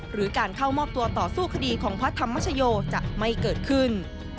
หรือการเข้ามอบตัวต่อสู้คดีของพระธรรมชโยจะไม่เกิดขึ้น